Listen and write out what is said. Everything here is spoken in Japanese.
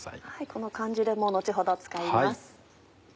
この缶汁も後ほど使います。